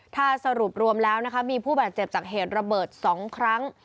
ถ้าสรุปรวมแล้วนะคะมีผู้บาดเจ็บจากเหตุระเบิด๒ครั้ง